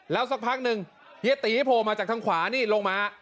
แล้วสักพักหนึ่งเฮียตีโผล่มาจากทางขวานี่ลงมา